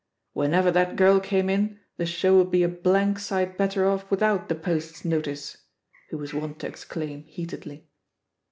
"Whenever that girl came in, the show would be a blank sight better off without The Poafs notice 1" he was wont to exclaim heatedly.